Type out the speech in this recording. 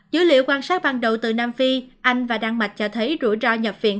dữ liệu quan sát ban đầu từ nam phi anh và đan mạch cho thấy rủi ro nhập viện